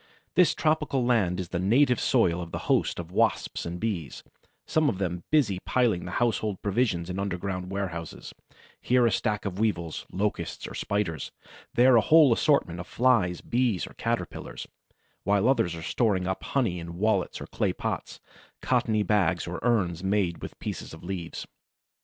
This tropical land is the native soil of a host of Wasps and Bees, some of them busily piling the household provisions in underground warehouses—here a stack of Weevils, Locusts or Spiders, there a whole assortment of Flies, Bees, or Caterpillars,—while others are storing up honey in wallets or clay pots, cottony bags or urns made with pieces of leaves.